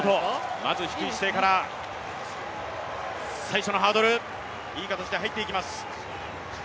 まず低い姿勢から最初のハードル、いい形で入っていきます。